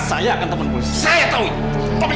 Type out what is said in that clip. saya akan teman polisi saya tahu itu tapi